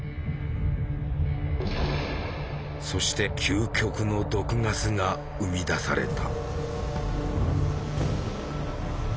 そして「究極の毒ガス」が生み出された。